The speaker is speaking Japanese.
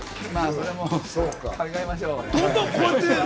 それも考えましょう。